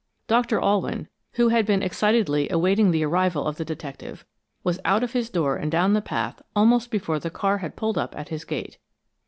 Doctor Alwyn, who had been excitedly awaiting the arrival of the detective, was out of his door and down the path almost before the car had pulled up at his gate.